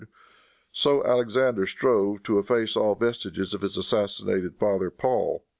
so Alexander strove to efface all vestiges of his assassinated father, Paul.